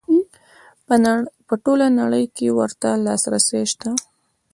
په ټوله نړۍ کې ورته لاسرسی شته.